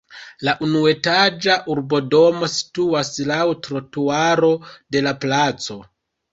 La unuetaĝa urbodomo situas laŭ trotuaro de la placo.